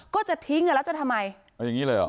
ก็จะทิ้งอะแล้วจะทำไมอย่างงี้เลยอะ